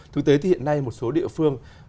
thực tế thì hiện nay một số địa phương